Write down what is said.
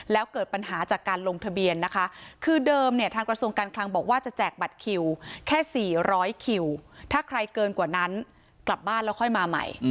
แล้วเกิดปัญหาจากการลงทะเบียนนะคะคือเดิมเนี่ยทางกระทรวงการคลังบอกว่าจะแจกบัตรคิวแค่๔๐๐คิวถ้าใครเกินกว่านั้นกลับบ้านแล้วค่อยมาใหม่